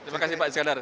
terima kasih pak isyadar